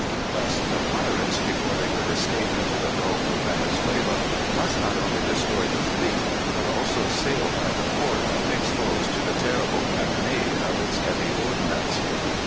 Thus the pirates, before they could escape into the Gulf of Venezuela, must not only destroy the fleet, but also sail by the fort exposed to the terrible cannonade of its heavy ordnance.